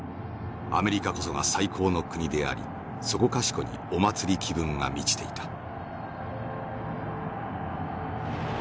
アメリカこそが最高の国でありそこかしこにお祭り気分が満ちていた」。